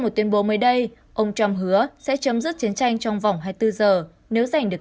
một tuyên bố mới đây ông trump hứa sẽ chấm dứt chiến tranh trong vòng hai mươi bốn giờ nếu giành được